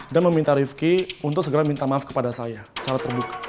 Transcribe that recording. dan meminta rifki untuk segera minta maaf kepada saya secara terbuka